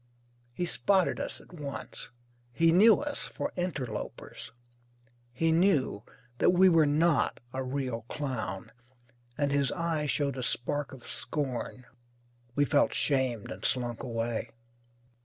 He spotted us at once. He knew us for interlopers. He knew that we were not a real clown, and his eye showed a spark of scorn. We felt shamed, and slunk away.)